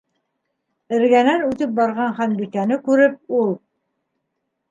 Эргәнән үтеп барған Ханбикәне күреп, ул: